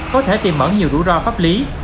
có thể tìm mở nhiều rủi ro pháp lý